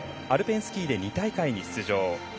アルペンスキーで２大会に出場。